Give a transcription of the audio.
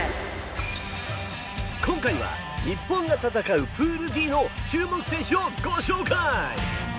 今回は、日本が戦うプールＤの注目選手をご紹介。